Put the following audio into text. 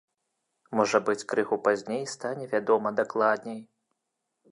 Можа быць, крыху пазней стане вядома дакладней.